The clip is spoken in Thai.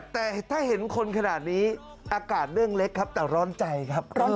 แต่ถ้าเห็นคนขนาดนี้อากาศเรื่องเล็กครับแต่ร้อนใจครับ